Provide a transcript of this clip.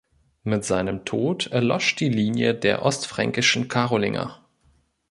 Mit seinem Tod erlosch die Linie der ostfränkischen Karolinger.